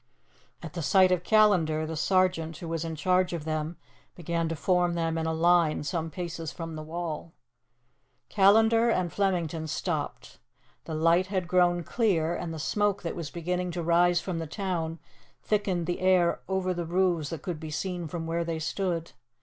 At the sight of Callandar the sergeant who was in charge of them began to form them in a line some paces from the wall. Callandar and Flemington stopped. The light had grown clear, and the smoke that was beginning to rise from the town thickened the air over the roofs that could be seen from where they stood.